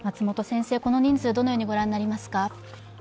この人数、どのように御覧になりますか？